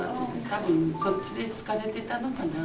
多分そっちで疲れてたのかな。